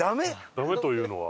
ダメというのは。